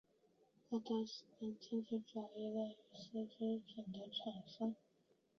沃德斯登的经济主要依赖于丝织品生产。